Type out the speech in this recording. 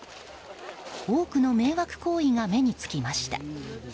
多くの迷惑行為が目につきました。